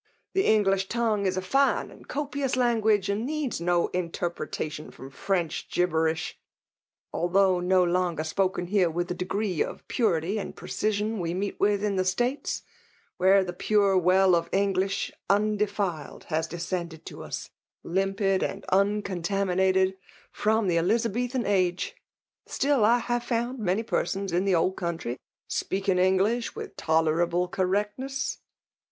The English tongue is a fine and copious language^ and needs no in terpretation from French gibberish. Although ne longer spofc^i heie, with the degree of pu rity and precision we meet with in the Statei^ where the ' pure well of English undelAed* has descended to us, limpid and unccmtiimi iiaAed» from the Elizabethan age, still I have fimnd miBDy persona in the Old Country^ speak iag JSnglsh with tderable cetreotneas.